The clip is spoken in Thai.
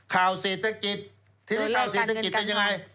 ข่าวเศรษฐกิจที่เป็นข่าวเศรษฐกิจเป็นอย่างไร